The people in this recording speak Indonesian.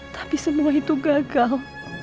tapi semua itu gagal